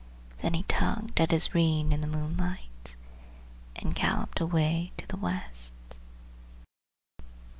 And he tugged at his reins in the moonlight, and galloped away to the west.